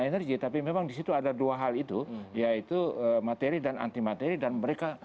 energi tapi memang disitu ada dua hal itu yaitu materi dan anti materi dan mereka